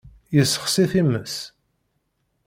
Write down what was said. Yessexsi times.